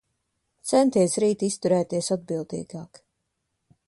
Centies rīt izturēties atbildīgāk.